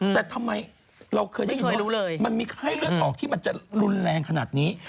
แต่ทำไมเราเคยได้ยินไม่รู้เลยมันมีไข้เลือดออกที่มันจะรุนแรงขนาดนี้